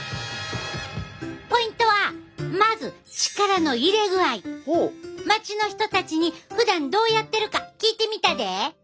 ポイントはまず街の人たちにふだんどうやってるか聞いてみたで！